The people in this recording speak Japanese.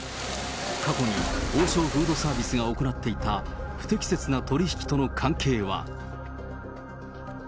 過去に王将フードサービスが行っていた不適切な取り引きとの関係は。